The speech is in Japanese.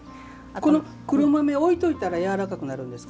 この黒豆は置いておいたらやわらかくなるんですか。